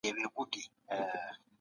تل دې وي سوله.